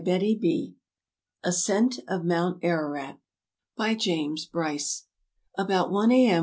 ASIA Ascent of Mount Ararat By JAMES BRYCE ABOUT one A.M.